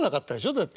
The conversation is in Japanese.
だって。